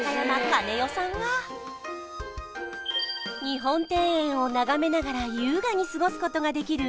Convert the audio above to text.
かねよさんは日本庭園を眺めながら優雅に過ごすことができる